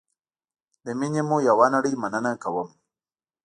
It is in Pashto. له میني مو یوه نړی مننه کوم